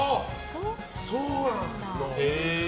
そうなんだ。